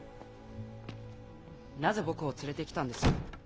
なぜ僕を連れてきたんです？